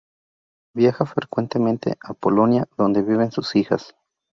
Viaja frecuentemente a Polonia, donde viven sus hijas.